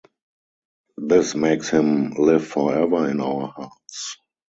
This makes him live forever in our hearts.